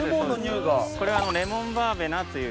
これはレモンバーベナという。